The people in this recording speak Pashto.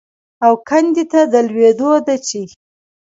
او کندې ته د لوېدو ده چې